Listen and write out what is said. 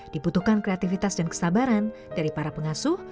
diputuhkan kreativitas dan kesabaran dari para pengasuh